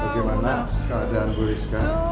bagaimana keadaan bu rizka